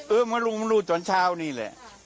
เออมารู้มารู้จนเช้านี่แหละ